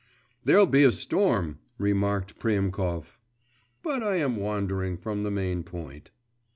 … 'There'll be a storm,' remarked Priemkov. But I am wandering from the main point.